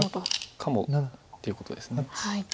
かもっていうことです。